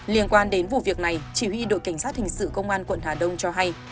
liên quan đến vụ việc này chỉ huy đội cảnh sát hình sự công an quận hà đông cho hay